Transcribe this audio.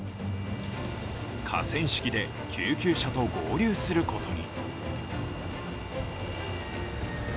河川敷で救急車と合流することに。